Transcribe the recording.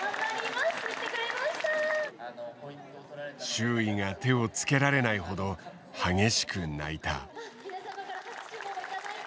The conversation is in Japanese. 周囲が手をつけられないほど激しく泣いた。